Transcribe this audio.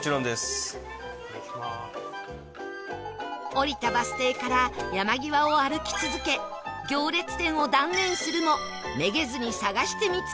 降りたバス停から山際を歩き続け行列店を断念するもめげずに探して見つけたのは